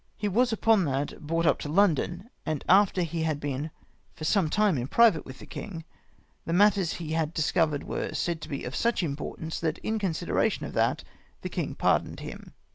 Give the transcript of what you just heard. He was upon that brought up to London; and after he had been for some time in private with the king, the matters he had discovered were said to be of such im portance, that in consideration of that the king pardoned him.